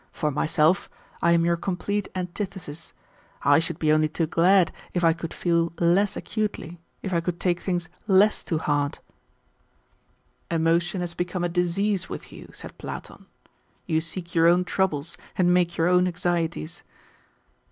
For myself, I am your complete antithesis. I should be only too glad if I could feel less acutely, if I could take things less to heart." "Emotion has become a disease with you," said Platon. "You seek your own troubles, and make your own anxieties."